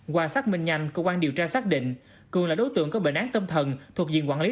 qua xác minh nhanh cơ quan điều tra xác định cường là đối tượng có bệnh án tâm thần thuộc diện quản lý